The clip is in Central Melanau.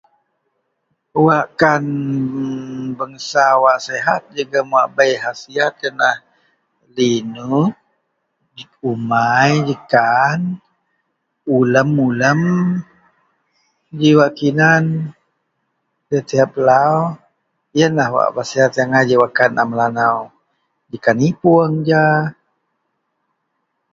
wakkan bangsa wak sihat jegum wak bei hasihat ienlah linut, umai jekan, ulem-ulem ji wak kinan tiap-tiap lau, ienlah wak sihat agai ji wakkan a Melanau, jekan ipoung ja